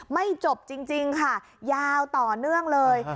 ไม่จบจริงค่ะยาวต่อเนื่องเลย